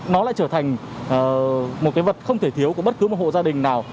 nó lại trở thành một cái vật không thể thiếu của bất cứ một hộ gia đình nào